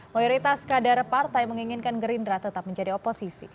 mayoritas kader partai menginginkan gerindra tetap menjadi oposisi